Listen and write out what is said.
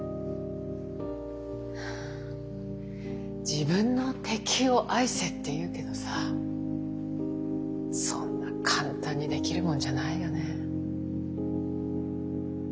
自分の敵を愛せって言うけどさあそんな簡単にできるもんじゃないよね。